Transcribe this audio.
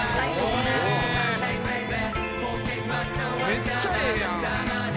めっちゃええやん。